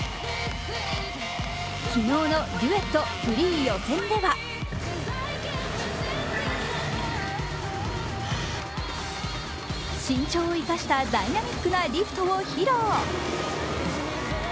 昨日のデュエットフリー予選では身長を生かしたダイナミックなリフトを披露。